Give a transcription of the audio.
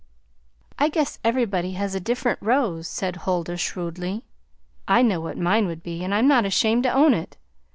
"I guess everybody has a different rose," said Huldah shrewdly. "I know what mine would be, and I'm not ashamed to own it.